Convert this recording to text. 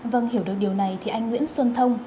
vâng hiểu được điều này thì anh nguyễn xuân thông